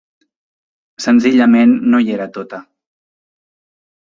Senzillament, no hi era tota.